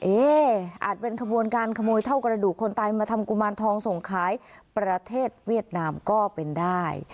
อาจเป็นขบวนการขโมยเท่ากระดูกคนตายมาทำกุมารทองส่งขายประเทศเวียดนามก็เป็นได้